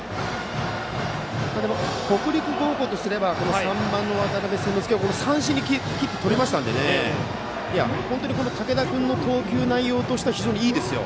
でも北陸高校とすれば３番の渡邉千之亮選手を三振にとりましたので本当に竹田君の投球内容としては非常にいいですよ。